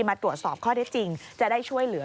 มาตรวจสอบข้อได้จริงจะได้ช่วยเหลือ